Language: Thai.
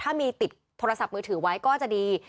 ถ้ามีติดโทรศัพท์มือถือไว้ก็จะดี